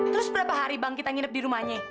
terus berapa hari bang kita nginep di rumahnya